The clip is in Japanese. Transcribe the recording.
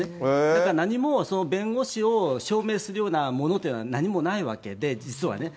だから何も弁護士を証明するようなものというのは、何もないわけで、実はね。